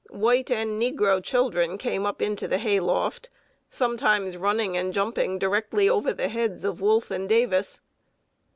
White and negro children came up into the hay loft, sometimes running and jumping directly over the heads of Wolfe and Davis.